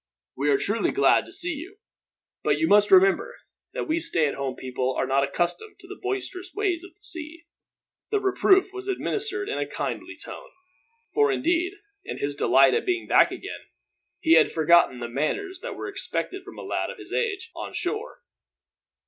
"We are truly glad to see you, but you must remember that we stay at home people are not accustomed to the boisterous ways of the sea." The reproof was administered in a kindly tone, but Roger colored to the hair; for indeed, in his delight at being back again, he had forgotten the manners that were expected from a lad of his age, on shore.